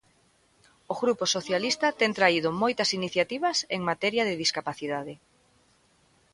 O Grupo Socialista ten traído moitas iniciativas en materia de discapacidade.